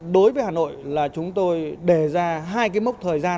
đối với hà nội là chúng tôi đề ra hai cái mốc thời gian